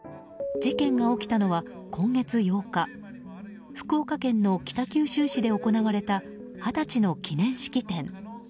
事件が起きたのは今月８日福岡県の北九州市で行われた二十歳の記念式典。